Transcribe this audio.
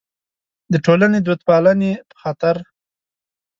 د ټولنې د دودپالنې په خاطر.